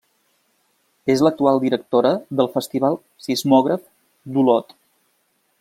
És l'actual directora del festival Sismògraf d'Olot.